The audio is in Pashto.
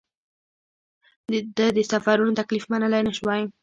ده د سفرونو تکلیف منلای نه شوای.